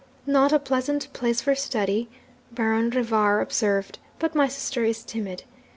"Not a pleasant place for study," Baron Rivar observed, "but my sister is timid.